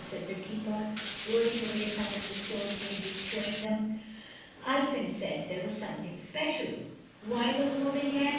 said the Keeper, rolling away some of the stones he had been showing them. "Ulfin said there was something special." "Why the war began?"